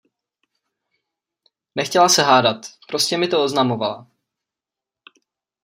Nechtěla se hádat, prostě mi to oznamovala.